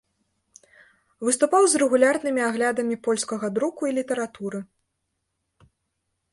Выступаў з рэгулярнымі аглядамі польскага друку і літаратуры.